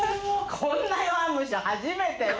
こんな弱虫初めてね。